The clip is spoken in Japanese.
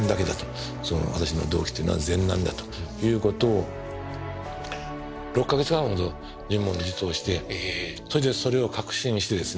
私の動機というのは善なんだということを６か月半ほど自問自答してそれでそれを確信してですね